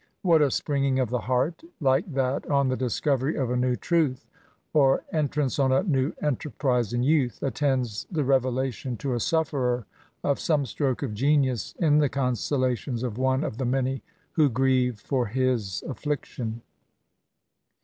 What a springing of the heart, like that on the discovery of a new truth, or entrance on a new enterprise in youth, attends the revelation to a sufferer of some stroke of genius in the consolations of one of the many who grieve for his affliction!